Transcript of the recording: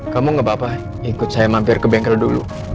kamu gak apa apa ikut saya mampir ke bengkel dulu